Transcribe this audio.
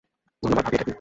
ধন্যবাদ, ভাবি এটা কি?